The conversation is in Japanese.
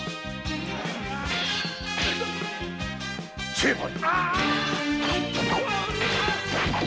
成敗！